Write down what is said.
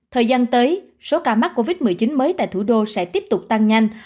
thời gian tới số ca mắc covid một mươi chín mới tại thủ đô sẽ tiếp tục tăng nhanh